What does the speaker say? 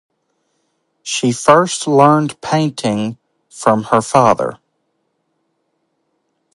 She first learned painting from her father.